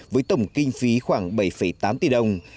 với tổng kinh phí khoảng bảy tám tỷ đồng